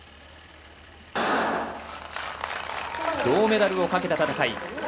銅メダルをかけた戦い。